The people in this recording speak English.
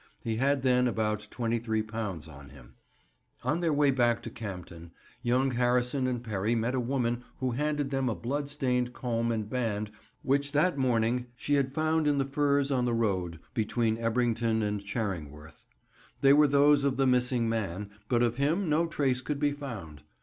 He had then about £23 on him. On their way back to Campden, young Harrison and Perry met a woman who handed them a bloodstained comb and band which that morning she had found in the furze on the road between Ebrington and Charingworth. They were those of the missing man, but of him no trace could be found.